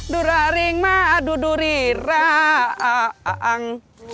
duraring ma aduh duri rang